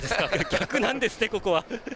逆なんですね、ここは。